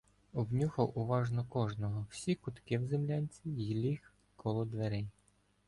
Обнюхав уважно кожного, всі кутки в землянці й ліг коло дверей.